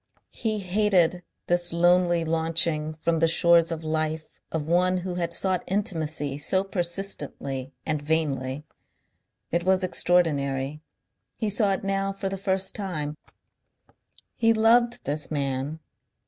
He hated this lonely launching from the shores of life of one who had sought intimacy so persistently and vainly. It was extraordinary he saw it now for the first time he loved this man.